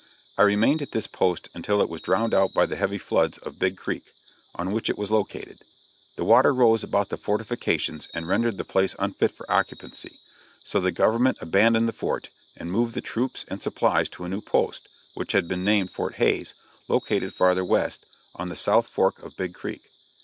I remained at this post until it was drowned out by the heavy floods of Big Creek, on which it was located; the water rose about the fortifications and rendered the place unfit for occupancy; so the government abandoned the fort, and moved the troops and supplies to a new post which had been named Fort Hays located further west, on the south fork of Big Creek.